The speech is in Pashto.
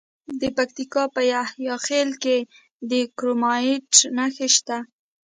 د پکتیکا په یحیی خیل کې د کرومایټ نښې شته.